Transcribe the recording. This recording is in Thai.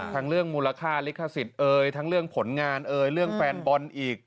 ทั้งเรื่องมูลค่าลิขสิทธิ์เอ่ยทั้งเรื่องผลงานเอ่ยเรื่องแฟนบอลอีก